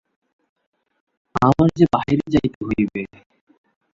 আমার যে বাহিরে যাইতে হইবে।